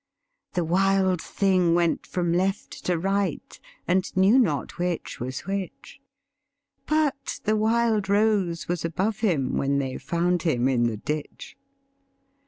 The wild thing went from left to right and knew not which was which, But the wild rose was above him when they found him in the ditch.